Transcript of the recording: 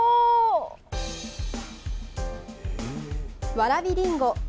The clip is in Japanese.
わらびりんご。